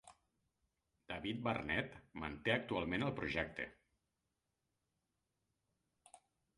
David Barnett manté actualment el projecte.